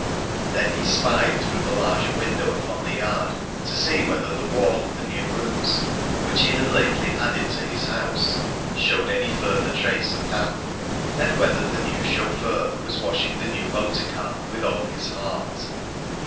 Then he spied through the larger window upon the yard, to see whether the wall of the new rooms which he had lately added to his house showed any further trace of damp, and whether the new chauffeur was washing the new motor car with all his heart.